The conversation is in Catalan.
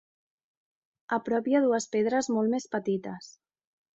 A prop hi ha dues pedres molt més petites.